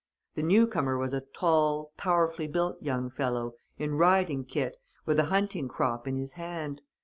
The newcomer was a tall, powerfully built young fellow, in riding kit, with a hunting crop in his hand.